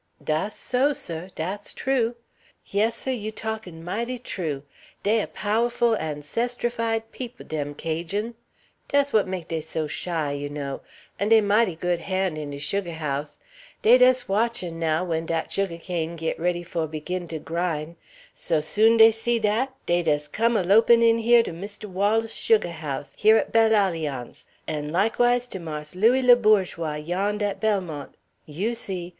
"Dass so, seh; dass true. Yes, seh, you' talkin' mighty true; dey a pow'ful ancestrified peop', dem Cajun'; dass w'at make dey so shy, you know. An' dey mighty good han' in de sugah house. Dey des watchin', now, w'en dat sugah cane git ready fo' biggin to grind; so soon dey see dat, dey des come a lopin' in here to Mistoo Wallis' sugah house here at Belle Alliance, an' likewise to Marse Louis Le Bourgeois yond' at Belmont. You see!